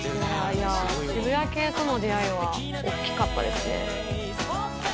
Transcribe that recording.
やっぱ渋谷系との出会いはおっきかったですね。